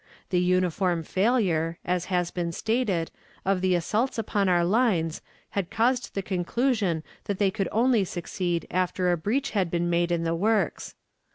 The uniform failure, as has been stated, of the assaults upon our lines had caused the conclusion that they could only succeed after a breach had been made in the works.